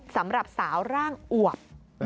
สำหรับสาวร่างอวบ